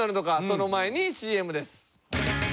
その前にＣＭです。